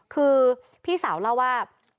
คือพี่สาวเล่าว่า